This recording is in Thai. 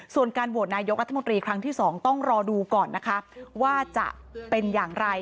ส่วนการโหวตนายกรัฐมนตรีครั้งที่๒ต้องรอดูก่อนนะคะว่าจะเป็นอย่างไร